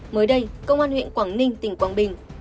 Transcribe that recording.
mới đây công an huyện quảng ninh tỉnh quảng bình